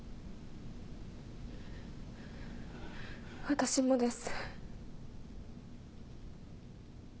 私もです。